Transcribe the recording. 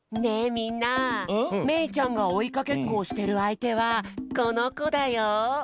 みんなめいちゃんがおいかけっこをしてるあいてはこのこだよ。